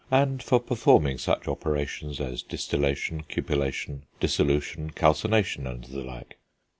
and for performing such operations as distillation, cupellation, dissolution, calcination, and the like.